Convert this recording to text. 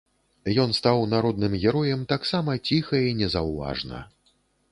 Ён стаў народным героем таксама ціха і незаўважна.